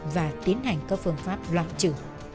và tiến hành các phương pháp loạn trừ